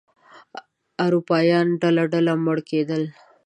اروپایان ډله ډله مړه کېدل.